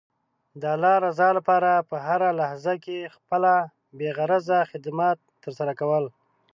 د الله رضا لپاره په هره لحظه کې خپله بې غرضه خدمت ترسره کول.